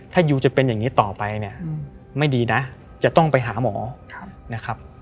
ถ้ายูจะเป็นอย่างนี้ต่อไปเนี่ยไม่ดีนะจะต้องไปหาหมอนะครับ